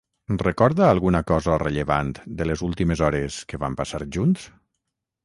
Recorda alguna cosa rellevant de les últimes hores que van passar junts?